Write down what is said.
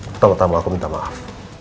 pertama tama aku minta maaf